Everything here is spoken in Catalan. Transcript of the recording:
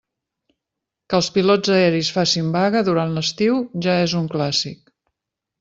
Que els pilots aeris facin vaga durant l'estiu, ja és un clàssic.